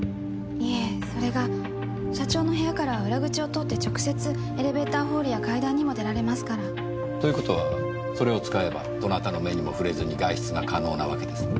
いえそれが社長の部屋から裏口を通って直接エレベーターホールや階段にも出られますから。という事はそれを使えばどなたの目にも触れずに外出が可能なわけですね？